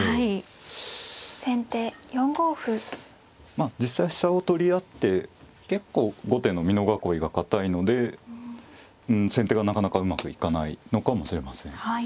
まあ実際は飛車を取り合って結構後手の美濃囲いが堅いので先手がなかなかうまくいかないのかもしれません。